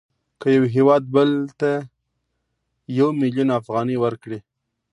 که یو هېواد بل ته یو میلیون افغانۍ ورکړي